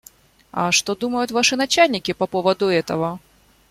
А что думают ваши начальники по поводу этого?